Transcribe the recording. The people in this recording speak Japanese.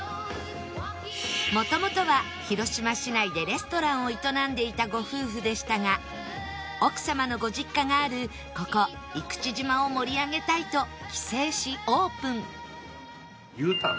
元々は広島市内でレストランを営んでいたご夫婦でしたが奥様のご実家があるここ生口島を盛り上げたいと帰省しオープンＵ ターン。